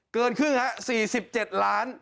เกินครึ่งฮะ๔๗ล้าน